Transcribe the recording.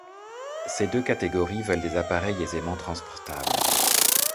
Ces deux catégories veulent des appareils aisément transportables.